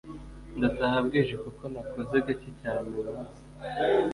Ndataha bwije kuko nakoze gake cyane uyu munsi